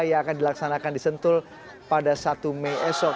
yang akan dilaksanakan di sentul pada satu mei esok